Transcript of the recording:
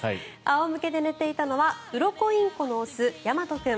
仰向けに寝ていたのはウロコインコの雄、大和君。